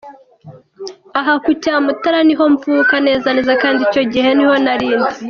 Aha ku Cyamutara niho mvuka neza neza kandi icyo gihe niho nari ndi.